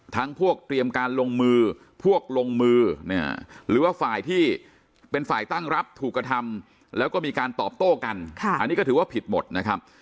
พวกเตรียมการลงมือพวกลงมือหรือว่าฝ่ายที่เป็นฝ่ายตั้งรับถูกกระทำแล้วก็มีการตอบโต้กันอันนี้ก็ถือว่าผิดหมดนะครับ